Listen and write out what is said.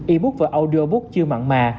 e book và audio book chưa mặn mà